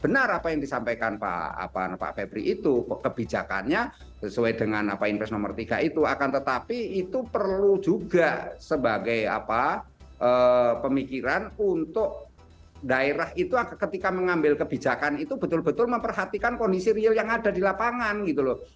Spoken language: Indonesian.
benar apa yang disampaikan pak febri itu kebijakannya sesuai dengan apa invest nomor tiga itu akan tetapi itu perlu juga sebagai pemikiran untuk daerah itu ketika mengambil kebijakan itu betul betul memperhatikan kondisi real yang ada di lapangan gitu loh